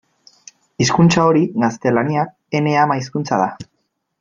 Hizkuntza hori, gaztelania, ene ama-hizkuntza da.